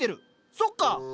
そっか！